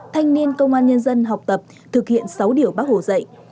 thanh niên công an nhân dân học tập thực hiện sáu điểu bác hổ dạy